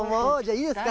いいですか？